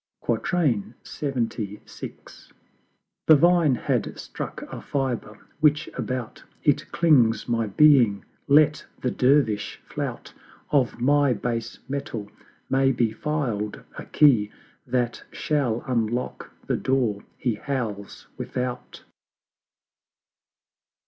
LXXVI. The Vine had struck a fiber: which about It clings my Being let the Dervish flout; Of my Base metal may be filed a Key That shall unlock the Door he howls without.